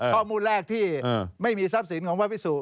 ข้อมูลแรกที่ไม่มีทรัพย์สินของพระพิสุ